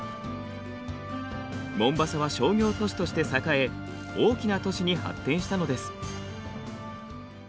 モンバサは商業都市として栄え大きな都市に発展したのです。